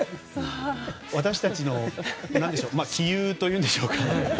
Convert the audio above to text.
私たちの杞憂というんでしょうか。